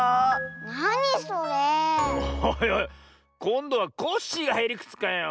こんどはコッシーがへりくつかよ。